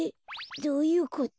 どういうこと？